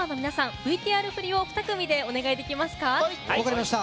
ＶＴＲ振りを２組でお願いできますか。